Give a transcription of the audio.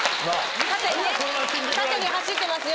縦に走ってますよ。